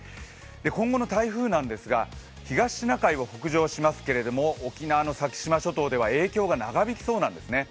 今後の台風なんですが東シナ海を北上しますけれども、沖縄の先島諸島では影響が長引きそうなんですね。